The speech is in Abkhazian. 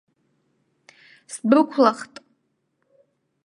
Сдәықәлахт.